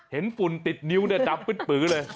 เห็นฝุ่นติดนิ้วเนี่ยดับปื๊ดปื๊ดเลย